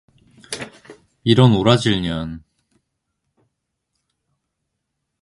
이런 오라질 년!